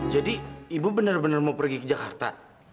jadi ibu benar benar mau pergi ke jakarta